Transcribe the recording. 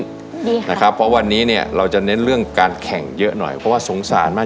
ดีค่ะนะครับเพราะวันนี้เนี่ยเราจะเน้นเรื่องการแข่งเยอะหน่อยเพราะว่าสงสารมาก